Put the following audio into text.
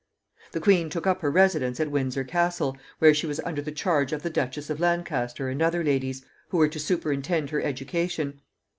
The queen took up her residence at Windsor Castle, where she was under the charge of the Duchess of Lancaster and other ladies, who were to superintend her education.